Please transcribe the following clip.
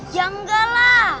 ya gak lah